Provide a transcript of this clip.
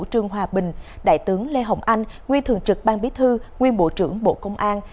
trương hòa bình đại tướng lê hồng anh nguyên thường trực ban bí thư nguyên bộ trưởng bộ công an